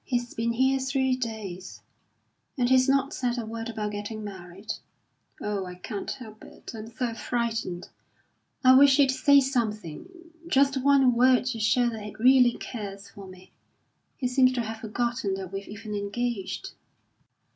"He's been here three days, and he's not said a word about getting married. Oh, I can't help it; I'm so frightened! I wish he'd say something just one word to show that he really cares for me. He seems to have forgotten that we're even engaged."